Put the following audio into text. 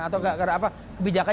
atau kebijakannya diperbatasan